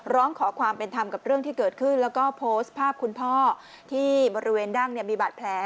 ร้องขอความเป็นธรรมกับเรื่องที่เกิดขึ้นแล้วก็โพสต์ภาพคุณพ่อที่บริเวณดั้งมีบาดแผล